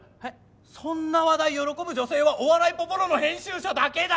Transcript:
そんな話題喜ぶ女性は『お笑いポポロ』の編集者だけだ！